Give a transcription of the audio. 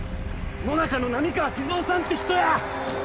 野中の波川志津雄さんって人や！